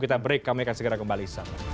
kita break kami akan segera kembali